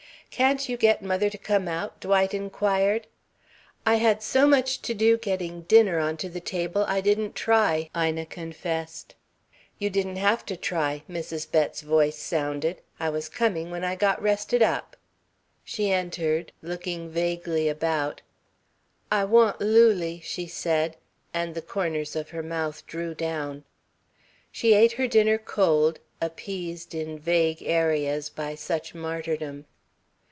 "Can't you get mother to come out?" Dwight inquired. "I had so much to do getting dinner onto the table, I didn't try," Ina confessed. "You didn't have to try," Mrs. Bett's voice sounded. "I was coming when I got rested up." She entered, looking vaguely about. "I want Lulie," she said, and the corners of her mouth drew down. She ate her dinner cold, appeased in vague areas by such martyrdom.